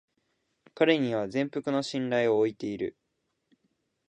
彼には全幅の信頼を置いている